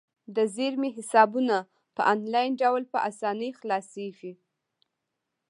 د زیرمې حسابونه په انلاین ډول په اسانۍ خلاصیږي.